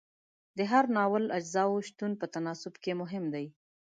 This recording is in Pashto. د هر ناول اجزاو شتون په تناسب کې مهم دی.